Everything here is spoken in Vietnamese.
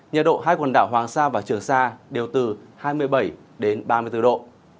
nhiệt độ hai quần đảo hoàng sa và trường sa đều từ hai mươi bảy ba mươi bốn độ